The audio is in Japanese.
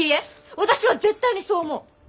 私は絶対にそう思う！